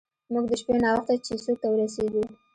موږ د شپې ناوخته چیسوک ته ورسیدو.